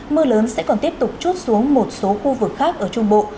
mưa lớn sẽ còn tiếp tục chút xuống một số khu vực khác ở trung bộ